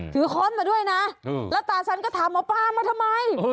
ค้อนมาด้วยนะแล้วตาฉันก็ถามหมอปลามาทำไม